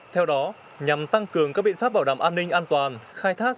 theo đó nhằm tăng cường các biện pháp bảo đảm an ninh an toàn khai thác